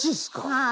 はい。